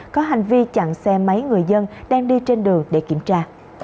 có hành vi chặn xe máy người dân đang đi trên đường để kiểm tra